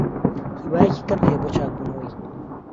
هیوایەکی کەم هەیە بۆ چاکبوونەوەی.